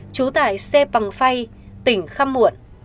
trú tại xê bằng phay tỉnh kham muộn